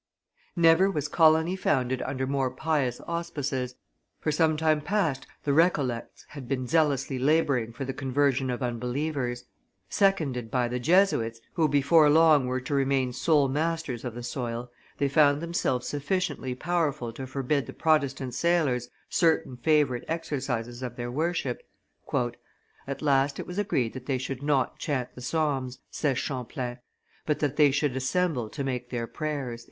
Never was colony founded under more pious auspices; for some time past the Recollects had been zealously laboring for the conversion of unbelievers; seconded by the Jesuits, who were before long to remain sole masters of the soil, they found themselves sufficiently powerful to forbid the Protestant sailors certain favorite exercises of their worship: "At last it was agreed that they should not chant the psalms," says Champlain, "but that they should assemble to make their prayers."